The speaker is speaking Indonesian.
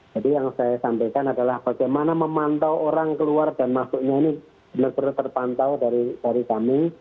jadi yang saya sampaikan adalah bagaimana memantau orang keluar dan masuknya ini benar benar terpantau dari kami